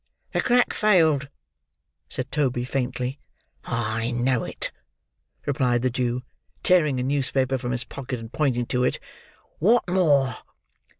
"The crack failed," said Toby faintly. "I know it," replied the Jew, tearing a newspaper from his pocket and pointing to it. "What more?"